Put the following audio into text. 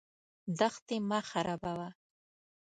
دښتې مه خرابوه.